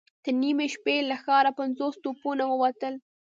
تر نيمې شپې له ښاره پنځوس توپونه ووتل.